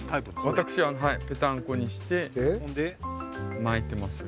私ぺたんこにして巻いてますよ。